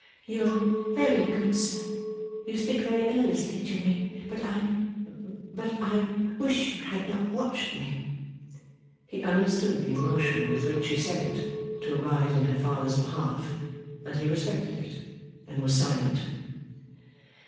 'You are very good, sir. You speak very earnestly to me. But I but I wish you had not watched me.' He understood the emotion with which she said it, to arise in her father's behalf; and he respected it, and was silent.